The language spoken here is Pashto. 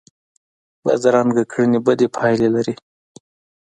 بدرنګه کړنې بدې پایلې لري